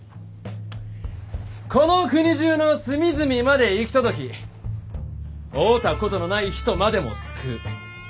この国中の隅々まで行き届き会うたことのない人までも救う。